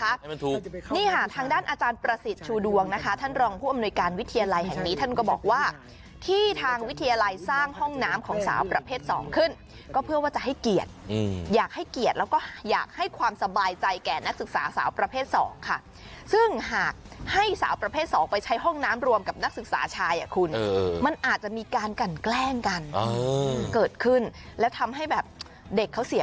ค่ะทางด้านอาจารย์ประสิทธิ์ชูดวงนะคะท่านรองผู้อำนวยการวิทยาลัยแห่งนี้ท่านก็บอกว่าที่ทางวิทยาลัยสร้างห้องน้ำของสาวประเภทสองขึ้นก็เพื่อว่าจะให้เกียรติอยากให้เกียรติแล้วก็อยากให้ความสบายใจแก่นักศึกษาสาวประเภทสองค่ะซึ่งหากให้สาวประเภทสองไปใช้ห้องน้ำรวมกับนักศึกษาชายอ